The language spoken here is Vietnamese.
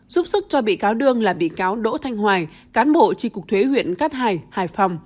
giúp sức cho bị cáo đương là bị cáo đỗ thanh hoài cán bộ tri cục thuế huyện cát hải hải phòng